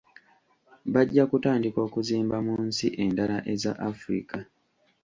Bajja kutandika okuzimba mu nsi endala eza Africa.